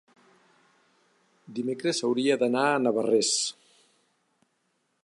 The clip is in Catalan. Dimecres hauria d'anar a Navarrés.